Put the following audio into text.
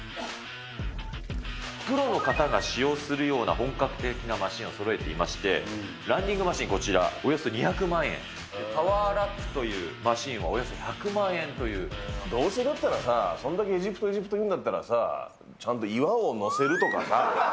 プロの方が使用するような本格的なマシンをそろえていまして、ランニングマシン、こちら、およそ２００万円、パワーラックというマシンはおよそ１００万円どうせだったらさ、そんだけエジプト、エジプト言うんだったらさぁ、ちゃんと岩を乗せるとかさ。